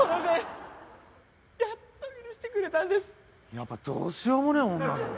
やっぱどうしようもねえ女だな。